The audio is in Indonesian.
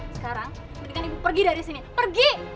sekarang berikan ibu pergi dari sini pergi